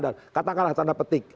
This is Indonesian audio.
dan katakanlah tanda petik